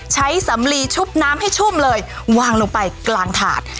สำลีชุบน้ำให้ชุ่มเลยวางลงไปกลางถาด